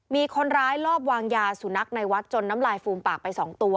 มีคนร้ายลอบวางยาสุนัขในวัดจนน้ำลายฟูมปากไป๒ตัว